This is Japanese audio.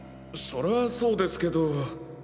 それはそうですけど。